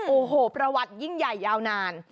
โอ้โหประวัติยิ่งใหญ่ยาวนาน